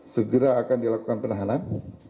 segera akan dilakukan penahanan